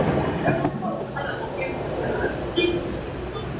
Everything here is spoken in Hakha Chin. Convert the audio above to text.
Rawl kan in hunh hna lai maw.